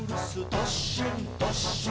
どっしんどっしん」